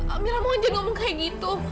amirah mohon jangan ngomong kayak gitu